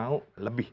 saya mulai berharga